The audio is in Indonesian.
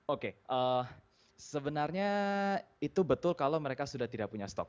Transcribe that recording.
oke sebenarnya itu betul kalau mereka sudah tidak punya stok